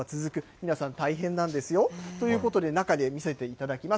皆さん、大変なんですよ。ということで、中で見せていただきます。